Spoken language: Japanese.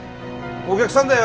お客さんだよ。